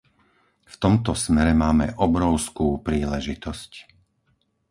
V tomto smere máme obrovskú príležitosť.